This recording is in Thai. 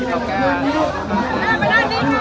ออกไปออกไป